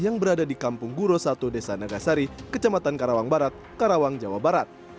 yang berada di kampung guros satu desa negasari kecamatan karawang barat karawang jawa barat